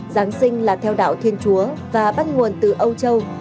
giáng sinh là theo đạo thiên chúa và bắt nguồn từ âu châu